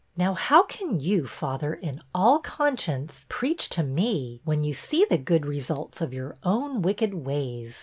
'' Now how can you, father, in all conscience, preach to me, when you see the good results of your own wicked ways?